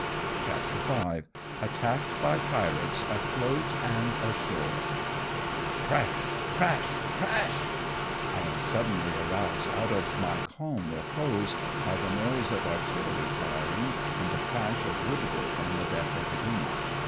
CHAPTER V. ATTACKED BY PIEATES AFLOAT AND ASHOKE. Ckash ! crash ! crash ! I am suddenly aroused out of my calm repose by the noise of artillery firing and the crash of woodwork on the deck of the Eamont.